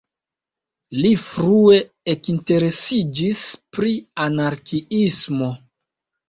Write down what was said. Li frue ekinteresiĝis pri anarkiismo.